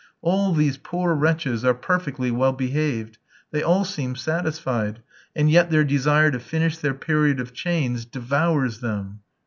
All these poor wretches are perfectly well behaved; they all seem satisfied, and yet their desire to finish their period of chains devours them.